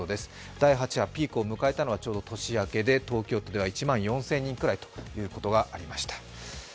第８波のピークを迎えたのは年明けで東京都では１万４０００人くらいということがありました。